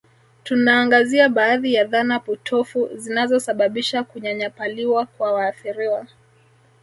Tunaangazia baadhi ya dhana potofu zinazosababisha kunyanyapaliwa kwa waathiriwa